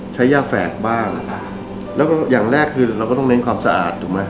ย่าแฝดบ้างแล้วก็อย่างแรกคือเราก็ต้องเน้นความสะอาดถูกไหม